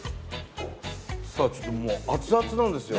さあちょっともう熱々なんですよ。